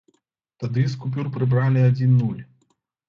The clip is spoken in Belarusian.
Тады з купюр прыбралі адзін нуль.